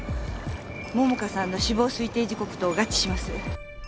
桃花さんの死亡推定時刻と合致します。